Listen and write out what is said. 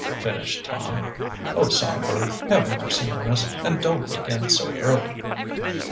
finished Tom. "Oh, Songbird, have mercy on us, and don't begin so early."